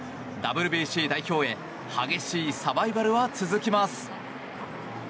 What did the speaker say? ＷＢＣ代表へ激しいサバイバルは続きます。